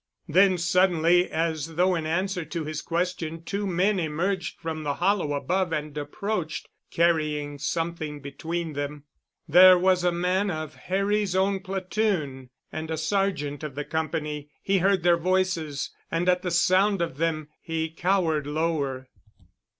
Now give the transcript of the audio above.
Then suddenly as though in answer to his question two men emerged from the hollow above and approached, carrying something between them. There was a man of Harry's own platoon and a sergeant of the company. He heard their voices and at the sound of them he cowered lower.